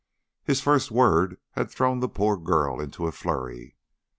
His first word had thrown the poor thing into a flurry.